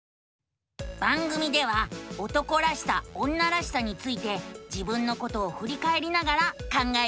番組では「男らしさ女らしさ」について自分のことをふりかえりながら考えているのさ。